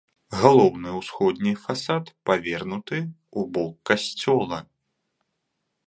Галоўны ўсходні фасад павернуты ў бок касцёла.